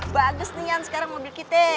bagus nih kan sekarang mobil kita